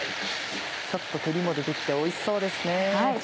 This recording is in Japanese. ちょっと照りも出て来ておいしそうですね。